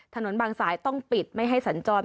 ถนนบางสายต้องปิดไม่ให้สัญจร